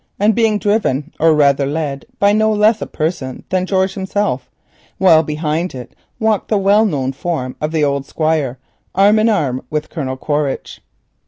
It was being driven, or rather led, by no less a person than George himself, while behind it walked the well known form of the old Squire, arm in arm with Colonel Quaritch.